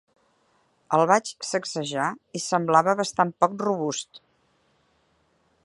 El vaig sacsejar i semblava bastant poc robust.